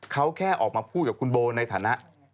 เขาแค่ออกมาพูดกับคุณโบในฐานะ